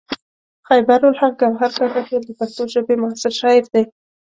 خیبر الحق ګوهر کاکا خیل د پښتو ژبې معاصر شاعر دی.